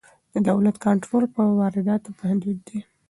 د دولت کنټرول پر وارداتو محدود دی.